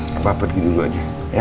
papa pergi dulu aja ya